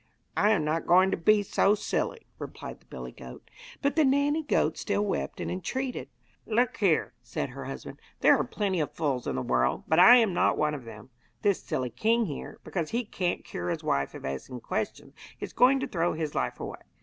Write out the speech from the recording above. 'I am not going to be so silly,' replied the billy goat. But the nanny goat still wept and entreated. 'Look here,' said her husband, 'there are plenty of fools in the world, but I am not one of them. This silly king here, because he can't cure his wife of asking questions, is going to throw his life away.